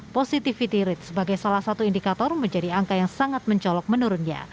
positivity rate sebagai salah satu indikator menjadi angka yang sangat mencolok menurunnya